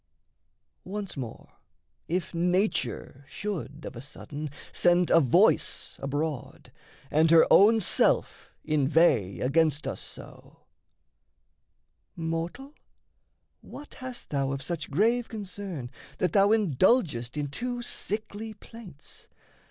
Once more, if Nature Should of a sudden send a voice abroad, And her own self inveigh against us so: "Mortal, what hast thou of such grave concern That thou indulgest in too sickly plaints?